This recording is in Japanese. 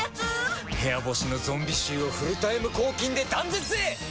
部屋干しのゾンビ臭をフルタイム抗菌で断絶へ！